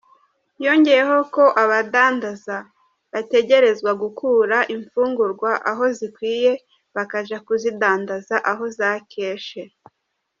Yongeyeko ko abadandaza bategerezwa gukura imfungurwa aho zigwiriye bakaja kuzidandaza aho zakeshe.